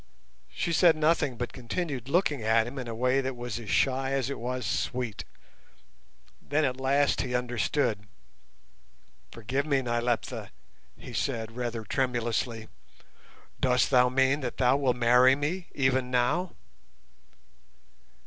She said nothing, but continued looking at him in a way that was as shy as it was sweet. Then at last he understood. "Forgive me, Nyleptha," he said, rather tremulously. "Dost thou mean that thou wilt marry me, even now?"